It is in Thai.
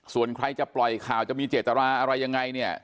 ส่วนใครจะปล่อยข่าวจะมีเจตนาอะไรยังไงเนี่ย